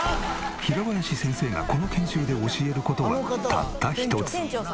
平林先生がこの研修で教える事はたった一つ。